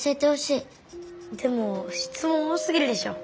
でもしつもん多すぎるでしょ。